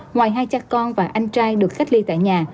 ngoài hai cha con và anh trai được cách ly tại nhà